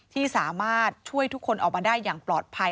ที่สามารถช่วยทุกคนออกมาได้อย่างปลอดภัย